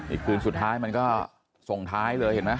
อีกคืนสุดท้ายมันก็ส่งท้ายเลยเห็นไหม